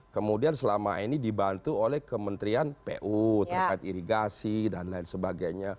kemudian selama ini dibantu oleh kementerian pu terkait irigasi dan lain sebagainya